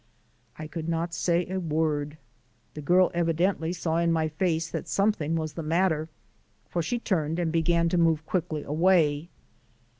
I could not say a word. The girl evidently saw in my face that something was the matter, for she turned and began to move quickly away.